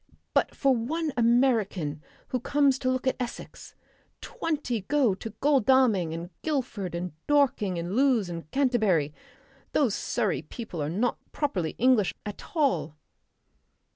But for one American who comes to look at Essex, twenty go to Godalming and Guildford and Dorking and Lewes and Canterbury. Those Surrey people are not properly English at all.